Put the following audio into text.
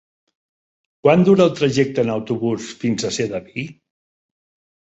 Quant dura el trajecte en autobús fins a Sedaví?